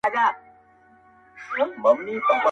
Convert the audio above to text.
چا راوړي د پیسو وي ډک جېبونه.